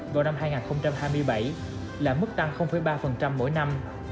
doanh thu toàn ngành khách sạn việt nam